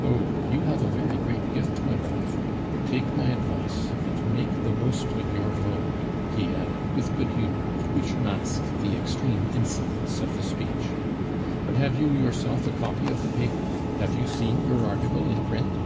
Oh! you have a very great gift, my boy. Take my advice and make the most of your vogue," he added, with good humor, which masked the extreme insolence of the speech. "But have you yourself a copy of the paper? Have you seen your article in print?"